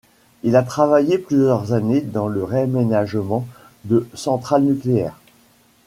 Il a travaillé plusieurs années dans le réaménagement de centrales nucléaire.